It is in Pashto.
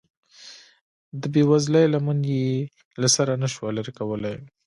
د بې وزلۍ لمن یې له سره نشوه لرې کولی.